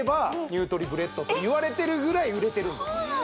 「ニュートリブレット」といわれてるぐらい売れてるんです